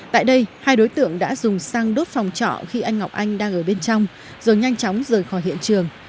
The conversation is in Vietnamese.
tại đây hai đối tượng đã dùng xăng đốt phòng trọ khi anh ngọc anh đang ở bên trong rồi nhanh chóng rời khỏi hiện trường